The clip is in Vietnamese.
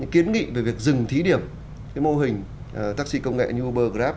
kiến nghị về việc dừng thí điểm mô hình taxi công nghệ uber grab